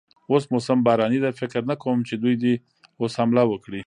اوس موسم باراني دی، فکر نه کوم چې دوی دې اوس حمله وکړي.